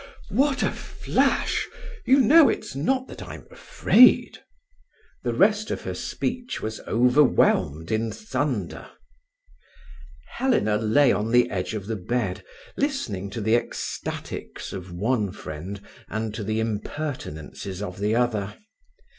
What a flash! You know, it's not that I'm afraid…." The rest of her speech was overwhelmed in thunder. Helena lay on the edge of the bed, listening to the ecstatics of one friend and to the impertinences of the other.